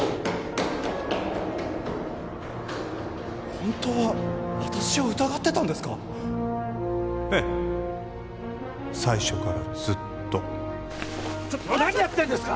本当は私を疑ってたんですかええ最初からずっとちょっと何やってんですか！？